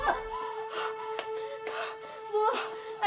ayah ibu tidur belum ibu